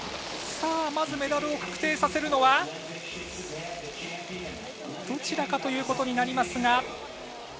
まずメダルを確定させるのは、どちらかということになりますが。